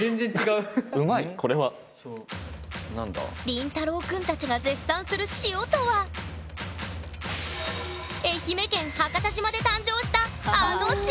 りんたろうくんたちが絶賛する「塩」とは愛媛県伯方島で誕生したあの「塩」！